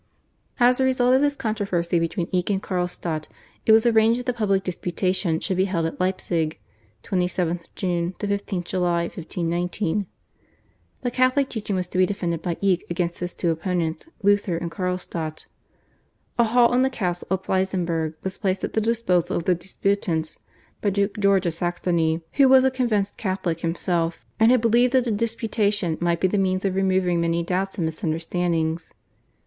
As a result of this controversy between Eck and Carlstadt it was arranged that a public disputation should be held at Leipzig (27 June 15 July, 1519). The Catholic teaching was to be defended by Eck against his two opponents, Luther and Carlstadt. A hall in the castle of Pleissenburg was placed at the disposal of the disputants by Duke George of Saxony, who was a convinced Catholic himself, and who believed that the disputation might be the means of removing many doubts and misunderstandings.